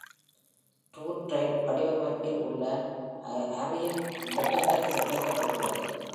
TrueType வடிவமைப்பில் உள்ள Arial இந்தத் திட்டத்தில் இணைக்கப்பட்டது.